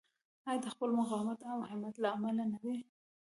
آیا د خپل مقاومت او همت له امله نه دی؟